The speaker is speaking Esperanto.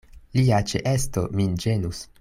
Lia ĉeesto min ĝenus.